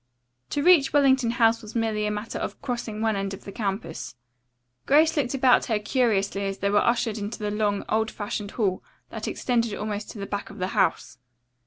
To reach Wellington House was merely a matter of crossing one end of the campus. Grace looked about her curiously as they were ushered into the long, old fashioned hall that extended almost to the back of the house.